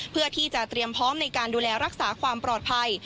เพื่อที่จะเตรียมพร้อมในการดูแลรักษาความปลอดภัย